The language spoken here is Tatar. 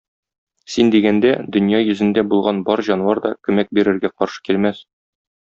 Син дигәндә, дөнья йөзендә булган бар җанвар да көмәк бирергә каршы килмәс.